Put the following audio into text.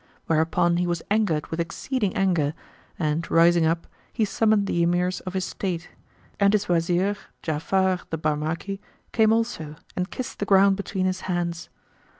Whereupon he was angered with exceeding anger and rising up, he summoned the Emirs of his state; and his Wazir Ja'afar the Barmaki came also and kissed the ground between his hands.